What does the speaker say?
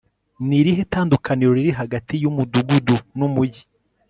ni irihe tandukaniro riri hagati y'umudugudu n'umujyi